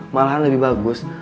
malahan lebih bagus